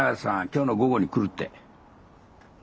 今日の午後に来るって。